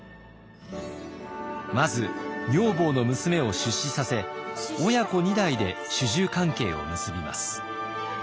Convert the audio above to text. まず女房の娘を出仕させ親子２代で主従関係を結びます。